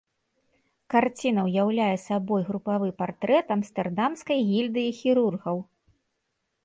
Карціна ўяўляе сабой групавы партрэт амстэрдамскай гільдыі хірургаў.